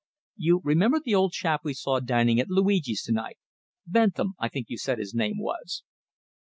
"You remember the old chap we saw dining at Luigi's to night Bentham, I think you said his name was?"